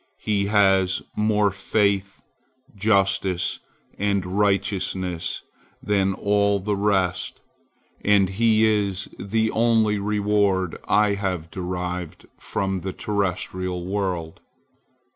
He has more faith, justice, and righteousness than all the rest, and he is the only reward I have derived from the terrestrial world."